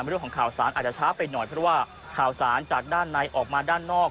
เรื่องของข่าวสารอาจจะช้าไปหน่อยเพราะว่าข่าวสารจากด้านในออกมาด้านนอก